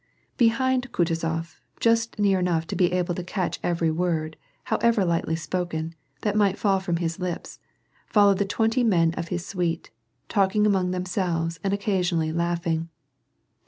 Behind Kutuzof, just near enough to be able to catch every word, however lightly spoken, that might fall from his lips, followed the twenty men of his suite, talking among themselves and occasionally laughing.